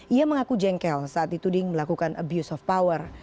ia mengaku jengkel saat dituding melakukan abuse of power